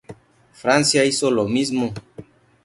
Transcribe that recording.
Francia hizo lo mismo.